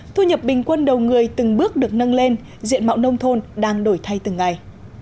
thu nhập bình quân đầu người từng bước được nâng lên diện mạo nông thôn đang đổi thay từng ngày